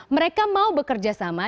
mereka mau bekerja sama